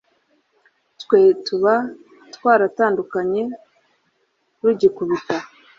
twe tuba twaratandukanye rugikubita